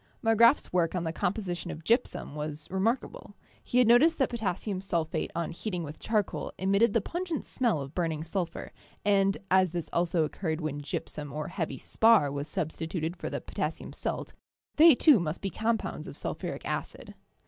Marg grafs work on the composition of gypsum was remark able; he had noticed that potassium sulphate on heating with charcoal emitted the pungent smell of burning sul phur, and as this also occurred when gypsum or heavy spar was substituted for the potassium salt, they too must be compounds of sulphuric acid.